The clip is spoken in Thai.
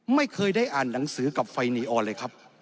ไม่เคยได้อ่านหนังสือกับไฟนีออนเลยครับ